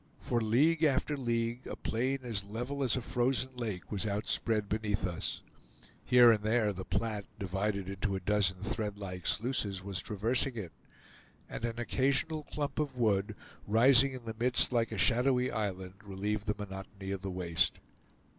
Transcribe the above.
For league after league a plain as level as a frozen lake was outspread beneath us; here and there the Platte, divided into a dozen threadlike sluices, was traversing it, and an occasional clump of wood, rising in the midst like a shadowy island, relieved the monotony of the waste.